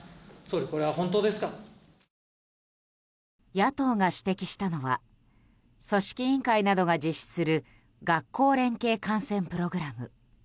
野党が指摘したのは組織委員会などが実施する学校連携観戦プログラム。